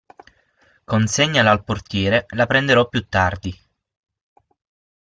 Consegnala al portiere, la prenderò più tardi.